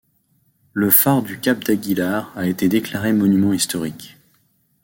Le Phare du Cape D'Aguilar a été déclaré monument historique.